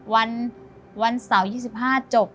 วันเสาร์๒๕จบ